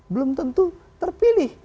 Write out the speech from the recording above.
belum tentu terpilih